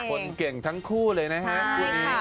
คนเก่งทั้งคู่เลยนี่ไง